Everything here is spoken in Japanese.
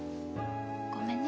ごめんね。